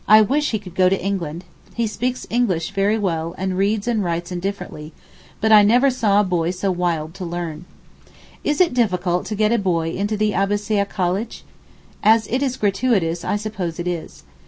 I wish he could go to England. He speaks English very well and reads and writes indifferently, but I never saw a boy so wild to learn. Is it difficult to get a boy into the Abbassieh college? as it is gratuitous I suppose it is.